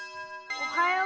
おはよう！